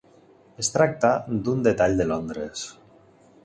Es tracta d'un detall de Londres.